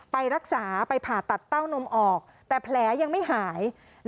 ไปรักษาไปผ่าตัดเต้านมออกแต่แผลยังไม่หาย